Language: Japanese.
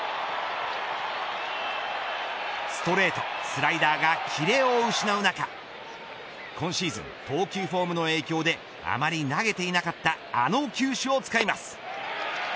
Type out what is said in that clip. ストレート、スライダーが切れを失う中今シーズン投球フォームの影響であまり投げていなかったあの球種を使います。